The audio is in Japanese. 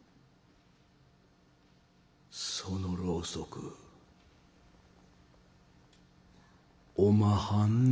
「そのろうそくおまはんのでおま」。